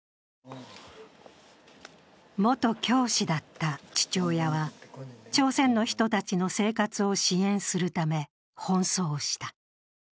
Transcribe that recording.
元教師だった父親は、挑戦の人たちの生活を支援するため奔走した。